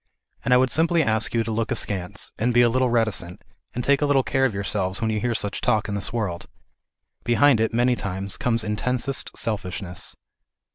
And I would simply ask you to look askance, and be a little reticent, and take a little care of yourselves when you hear such talk in this world ; behind it many times comes intensest selfishness.